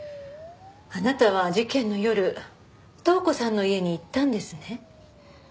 あなたは事件の夜塔子さんの家に行ったんですね？